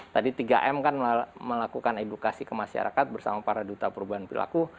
tadi tiga m kan melakukan edukasi ke masyarakat bersama para duta perubahan perilaku